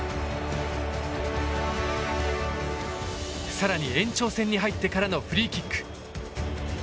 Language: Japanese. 更に延長戦に入ってからのフリーキック。